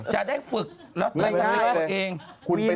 จะได้พึกแล้วถือกได้